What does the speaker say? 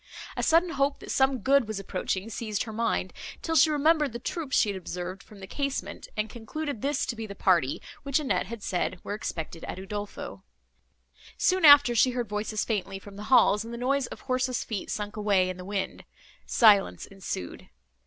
A sudden hope, that some good was approaching, seized her mind, till she remembered the troops she had observed from the casement, and concluded this to be the party, which Annette had said were expected at Udolpho. Soon after, she heard voices faintly from the halls, and the noise of horses' feet sunk away in the wind; silence ensued.